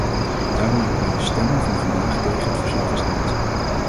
Daarom heb ik bij de stemming van vandaag tegen het verslag gestemd.